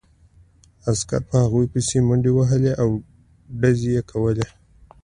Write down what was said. عسکرو په هغوی پسې منډې وهلې او ډزې یې کولې